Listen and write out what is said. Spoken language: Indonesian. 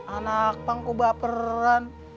anak pangku baperan